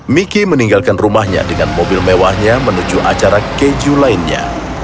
miki meninggalkan rumahnya dengan mobil mewahnya menuju acara keju lainnya